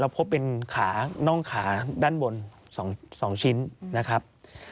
พบเป็นขาน่องขาด้านบน๒ชิ้นนะครับ